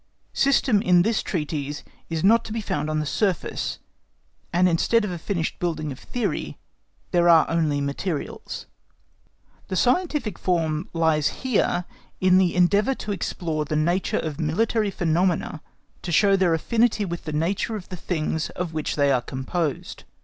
System in this treatise is not to be found on the surface, and instead of a finished building of theory, there are only materials. The scientific form lies here in the endeavour to explore the nature of military phenomena to show their affinity with the nature of the things of which they are composed.